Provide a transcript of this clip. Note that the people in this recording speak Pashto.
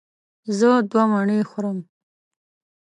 زه دوه مڼې خورم.